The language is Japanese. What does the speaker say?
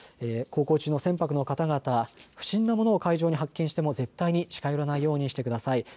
航行中の船舶の方々、不審な物を海上に発見しても絶対に近寄らないようにしてください。